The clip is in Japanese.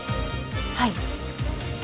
はい。